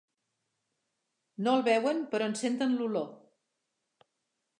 No el veuen, però en senten l'olor.